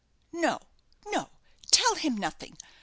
"No, no; tell him nothing.